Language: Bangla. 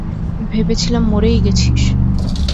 ভেবেছিলাম মরেই গেছিস।